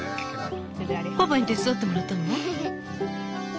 パパに手伝ってもらったの？